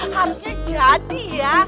harusnya jadi ya